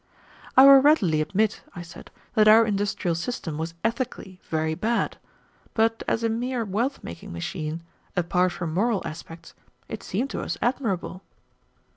"I will readily admit," I said, "that our industrial system was ethically very bad, but as a mere wealth making machine, apart from moral aspects, it seemed to us admirable."